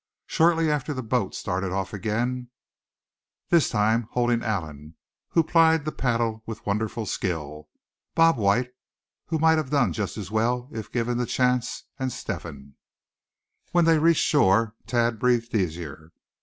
Shortly after the boat started off again, this time holding Allan, who plied the paddle with wonderful skill, Bob White, who might have done just as well if given the chance, and Step hen. When they reached shore Thad breathed easier.